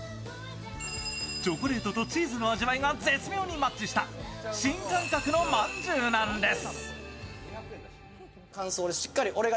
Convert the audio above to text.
チョコレートとチーズの味わいが絶妙にマッチした新感覚のまんじゅうなんです。